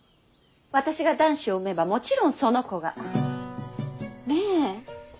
私が男子を産めばもちろんその子が。ねえ。